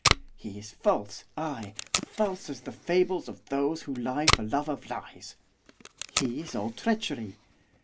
He is false, ay, false as the fables of those who lie for love of lies, he is all treachery.